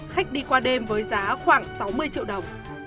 khách đi qua đêm với giá khoảng sáu mươi triệu đồng